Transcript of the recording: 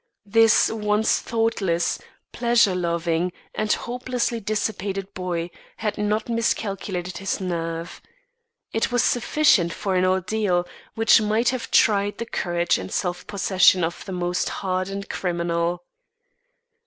This once thoughtless, pleasure loving, and hopelessly dissipated boy had not miscalculated his nerve. It was sufficient for an ordeal which might have tried the courage and self possession of the most hardened criminal.